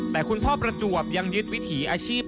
แต่คุณพ่อประจวบยังยึดวิถีอาชีพ